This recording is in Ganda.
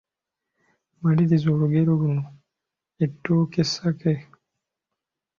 Maliriza olugero luno: Ettooke essake, …